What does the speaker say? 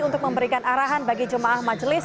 untuk memberikan arahan bagi jemaah majelis